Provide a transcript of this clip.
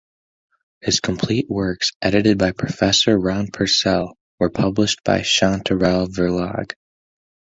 His complete works, edited by Professor Ron Purcell, were published by Chanterelle Verlag.